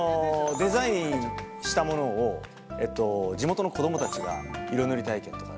デザインしたものを地元の子どもたちが色塗り体験とか。